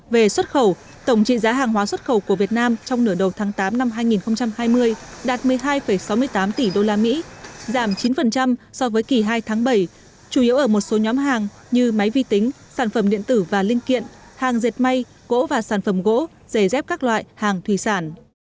về xuất khẩu tổng trị giá hàng hóa xuất khẩu của việt nam trong nửa đầu tháng tám năm hai nghìn hai mươi đạt một mươi hai sáu mươi tám tỷ usd giảm chín so với kỳ hai tháng bảy chủ yếu ở một số nhóm hàng như máy vi tính sản phẩm điện tử và linh kiện hàng dệt may gỗ và sản phẩm gỗ giày dép các loại hàng thủy sản